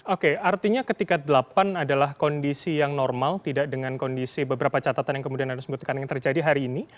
oke artinya ketika delapan adalah kondisi yang normal tidak dengan kondisi beberapa catatan yang kemudian anda sebutkan yang terjadi hari ini